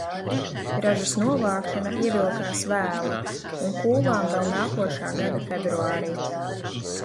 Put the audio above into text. Ražas novākšana ievilkās vēlu un kūlām vēl nākošā gada februārī.